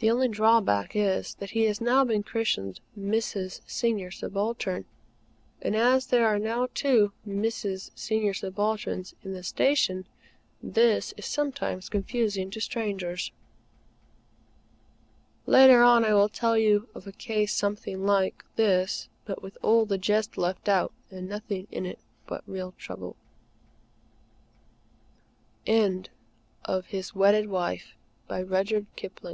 The only drawback is that he has been christened "Mrs. Senior Subaltern;" and as there are now two Mrs. Senior Subalterns in the Station, this is sometimes confusing to strangers. Later on, I will tell you of a case something like, this, but with all the jest left out and nothing in it but real trouble. THE BROKEN LINK HANDICAPPED. While the snaffle holds, or the "l